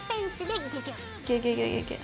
ギュギュギュギュギュ。